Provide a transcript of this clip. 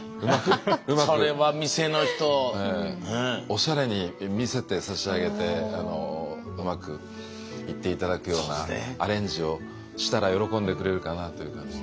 おしゃれに見せてさしあげてうまくいって頂くようなアレンジをしたら喜んでくれるかなという感じ。